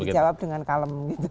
dijawab dengan kalem gitu